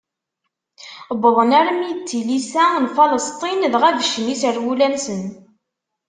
Wwḍen armi d tilisa n Falesṭin dɣa beccen iserwula-nsen.